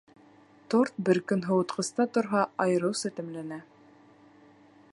Торт бер көн һыуытҡыста торһа, айырыуса тәмләнә.